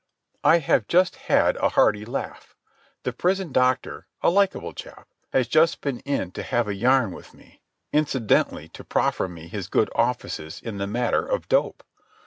... I have just had a hearty laugh. The prison doctor, a likable chap, has just been in to have a yarn with me, incidentally to proffer me his good offices in the matter of dope.